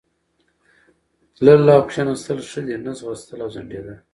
تلل او کښېنستل ښه دي، نه ځغستل او ځنډېدل.